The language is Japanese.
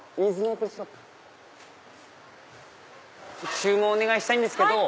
注文お願いしたいんですけど。